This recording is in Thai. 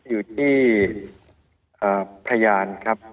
อยู่ที่พยานครับ